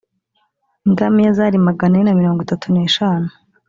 ingamiya zari magana ane na mirongo itatu n eshanu